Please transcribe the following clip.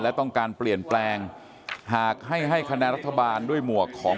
และต้องการเปลี่ยนแปลงหากให้ให้คะแนนรัฐบาลด้วยหมวกของ